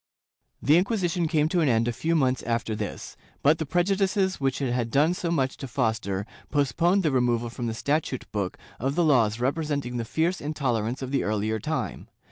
^ The Inquisition came to an end a few months after this, but the prejudices which it had done so much to foster postponed the removal from the statute book of the laws representing the fierce intolerance of the earlier time.